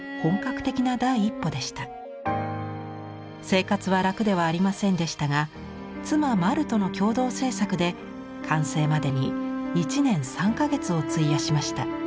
生活は楽ではありませんでしたが妻まるとの共同制作で完成までに１年３か月を費やしました。